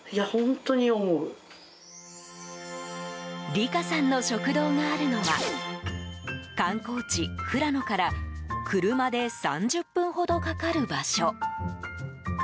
理佳さんの食堂があるのは観光地・富良野から車で３０分ほどかかる場所。